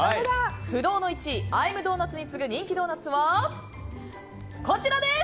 不動の１位アイムドーナツに次ぐ人気ドーナツはこちらです！